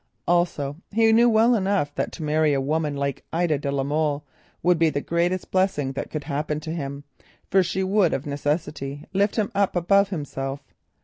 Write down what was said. Also, he knew well enough that to marry a woman like Ida de la Molle would be the greatest blessing that could happen to him, for she would of necessity lift him up above himself.